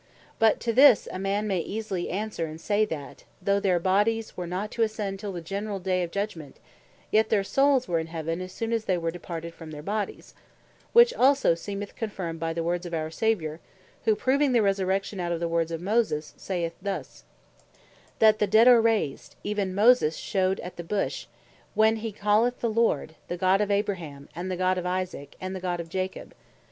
But to this a man may easily answer, and say, that though their bodies were not to ascend till the generall day of Judgment, yet their souls were in Heaven as soon as they were departed from their bodies; which also seemeth to be confirmed by the words of our Saviour (Luke 20.37,38.) who proving the Resurrection out of the word of Moses, saith thus, "That the dead are raised, even Moses shewed, at the bush, when he calleth the Lord, the God of Abraham, and the God of Isaac, and the God of Jacob.